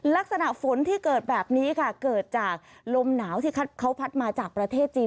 ลักษณะฝนที่เกิดแบบนี้ค่ะเกิดจากลมหนาวที่เขาพัดมาจากประเทศจีน